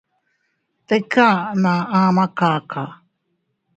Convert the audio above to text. Tika aʼa naa ama kaka.